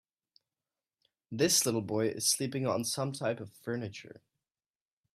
This little boy is sleeping on some type of furniture.